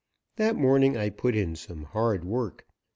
That morning I put in some hard work.